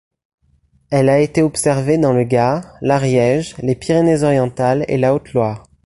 Elle a été observée dans le Gard, l'Ariège, les Pyrénées-Orientales et la Haute-Loire.